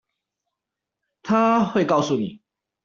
她會告訴你